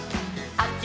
あっち！」